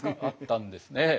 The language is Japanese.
あったんですね。